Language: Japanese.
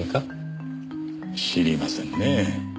知りませんね。